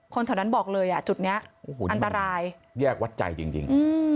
แถวนั้นบอกเลยอ่ะจุดนี้อันตรายแยกวัดใจจริง